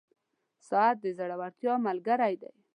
• ساعت د زړورتیا ملګری دی.